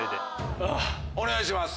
お願いします